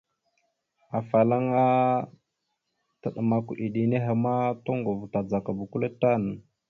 Afalaŋa taɗəmak eɗe henne ma, toŋgov tadzagaba kʉle tan.